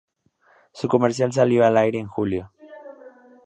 Su comercial salió al aire en julio.